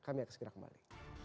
kami akan segera kembali